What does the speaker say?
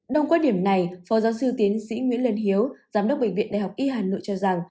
đồng quan điểm này phó giáo sư tiến sĩ nguyễn lân hiếu giám đốc bệnh viện đại học y hà nội cho rằng